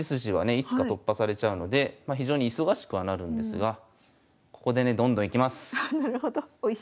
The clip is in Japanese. いつか突破されちゃうので非常に忙しくはなるんですがここでねどんどんいきます。